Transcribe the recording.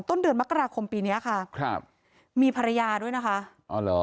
ต้นเดือนมกราคมปีเนี้ยค่ะครับมีภรรยาด้วยนะคะอ๋อเหรอ